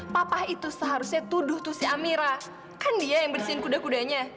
papa itu seharusnya tuduh tusi amira kan dia yang bersihin kuda kudanya